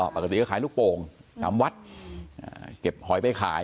ปกติก็ขายลูกโป่งตามวัดเก็บหอยไปขาย